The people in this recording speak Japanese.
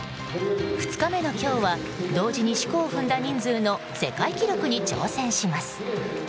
２日目の今日は同時に四股を踏んだ人数の世界記録に挑戦します。